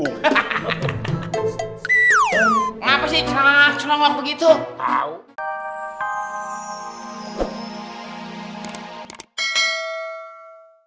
kenapa sih celah celang waktu begitu